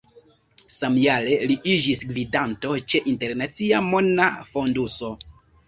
Samjare li iĝis gvidanto ĉe Internacia Mona Fonduso.